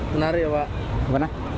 menarik ya pak